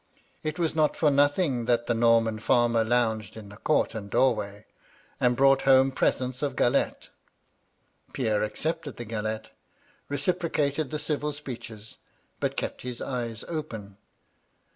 It was not for nothing that the Norman fiumer lounged in the court and doorway, and brought home presents of galette. Pierre accepted the galette, reciprocated the civil speeches, but kept his eyes open.